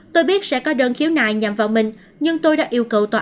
tôi biết sẽ có đơn khiếu này nhằm vào mình nhưng tôi đã yêu cầu tòa án